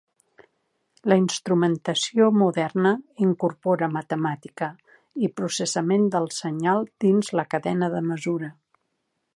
La instrumentació moderna incorpora matemàtica i processament del senyal dins la cadena de mesura.